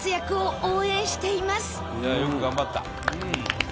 いやよく頑張った！